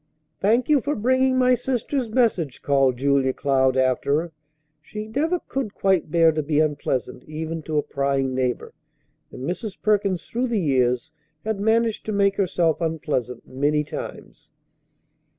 "Thank you for bringing my sister's message," called Julia Cloud after her. She never could quite bear to be unpleasant even to a prying neighbor, and Mrs. Perkins through the years had managed to make herself unpleasant many times.